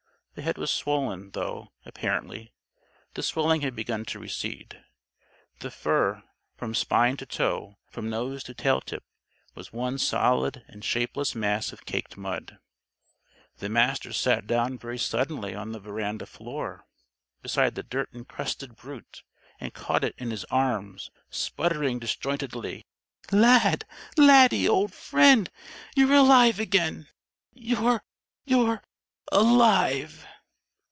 The head was swollen though, apparently, the swelling had begun to recede. The fur, from spine to toe, from nose to tail tip, was one solid and shapeless mass of caked mud. The Master sat down very suddenly on the veranda floor beside the dirt encrusted brute, and caught it in his arms, sputtering disjointedly: "Lad! Laddie! Old friend! You're alive again! You're you're _alive!